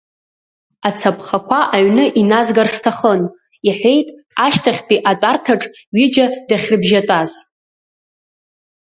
Ацаԥхақәа аҩны иназгар сҭахын, — иҳәеит, ашьҭахьтәи атәарҭаҿ ҩыџьа дахьрыбжьатәаз.